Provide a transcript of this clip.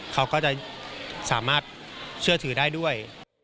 เขาก็จะสามารถเชื่อถือได้ด้วย